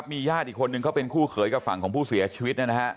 ทุกผู้ชมครับมีญาติอีกคนนึงก็เป็นคู่เขยกับฝั่งของผู้เสียชีวิตนะครับ